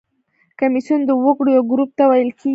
کمیسیون د وګړو یو ګروپ ته ویل کیږي.